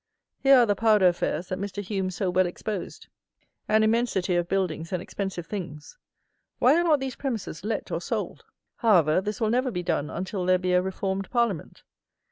Here are the powder affairs that Mr. HUME so well exposed. An immensity of buildings and expensive things. Why are not these premises let or sold? However, this will never be done until there be a reformed Parliament.